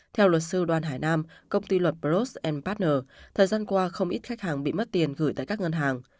theo luật sư đoàn hải nam công ty luật bros partners thời gian qua không ít khách hàng bị mất tiền gửi tới các ngân hàng